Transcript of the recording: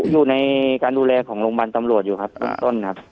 อยู่ในการดูแลของโรงพยาบาลตำรวจอยู่ครับเบื้องต้นครับ